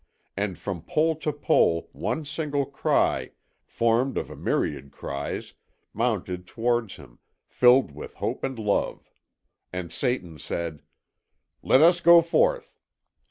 And from pole to pole one single cry, formed of a myriad cries, mounted towards him, filled with hope and love. And Satan said: "Let us go forth!